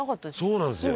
「そうなんですよ」